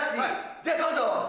じゃあどうぞ！